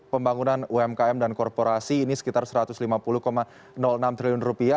pembangunan umkm dan korporasi ini sekitar satu ratus lima puluh enam triliun rupiah